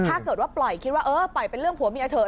ถ้าเกิดว่าปล่อยคิดว่าเออปล่อยเป็นเรื่องผัวเมียเถอ